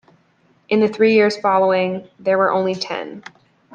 In the three years following, there were only ten.